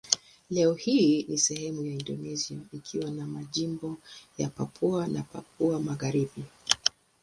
Leo hii ni sehemu ya Indonesia ikiwa ni majimbo ya Papua na Papua Magharibi.